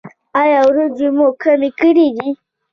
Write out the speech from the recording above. ایا وریجې مو کمې کړي دي؟